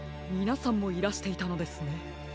みなさんもいらしていたのですね。